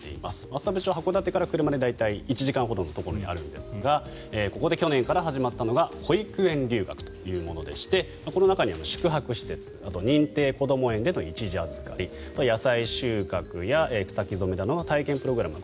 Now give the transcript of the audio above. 厚沢部町、函館から車で大体１時間ほどのところにあるんですがここで去年から始まったのが保育園留学というものでしてこの中に宿泊施設あとは認定こども園での一時預かり野菜収穫や草木染などの体験プログラム